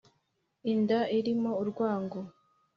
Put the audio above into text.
Inda irimo urwango